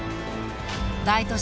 大都市